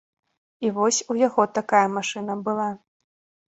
І вось у яго такая машына была.